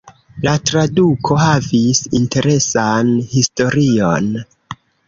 La traduko havis interesan historion.